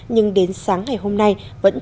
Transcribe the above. nhưng đến sáng ngày hôm nay